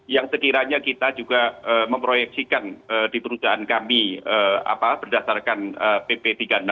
yang sekiranya kita juga memproyeksikan di perusahaan kami berdasarkan pp tiga puluh enam